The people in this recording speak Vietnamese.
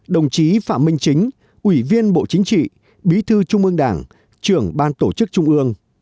đồng chí phạm minh chính ủy viên bộ chính trị bí thư trung ương đảng trưởng ban tổ chức trung ương